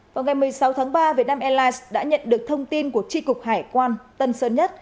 vào ngày một mươi sáu tháng ba vietnam airlines đã nhận được thông tin của tri cục hải quan